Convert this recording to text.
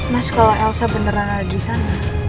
mas kalo elsa beneran ada disana